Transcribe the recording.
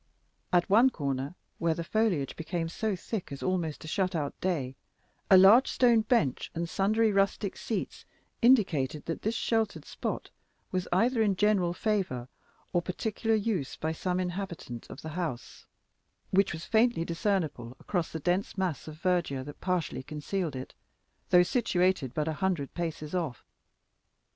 At one corner, where the foliage became so thick as almost to shut out day, a large stone bench and sundry rustic seats indicated that this sheltered spot was either in general favor or particular use by some inhabitant of the house, which was faintly discernible through the dense mass of verdure that partially concealed it, though situated but a hundred paces off.